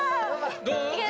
どう？